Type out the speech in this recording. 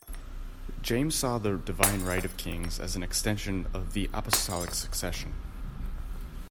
James saw the divine right of kings as an extension of the apostolic succession.